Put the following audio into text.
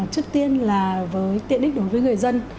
trước tiên là với tiện ích đối với người dân